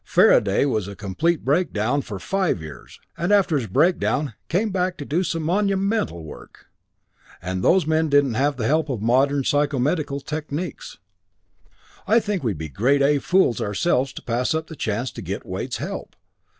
Faraday was in a complete breakdown for nearly five years and after his breakdown, came back to do some monumental work. "And those men didn't have the help of modern psychomedical techniques. "I think we'd be grade A fools ourselves to pass up the chance to get Wade's help.